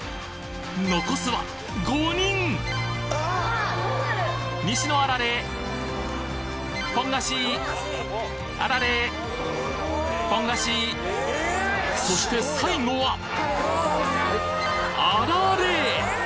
残すは５人西のあられポン菓子あられポン菓子そして最後はあられ！